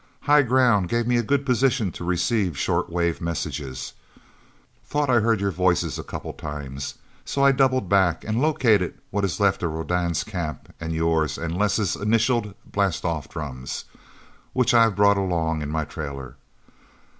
High ground gave me a good position to receive short wave messages thought I heard your voices a couple of times. So I doubled back, and located what is left of Rodan's camp, and yours and Les' initialed blastoff drums, which I've brought along in my trailer.